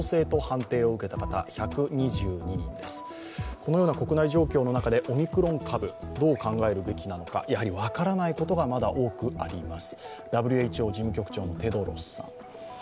このような国内状況の中でオミクロン株、どう考えるべきなのか、分からないことがまだ多くあります。